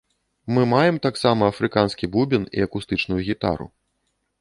Мы маем таксама афрыканскі бубен і акустычную гітару.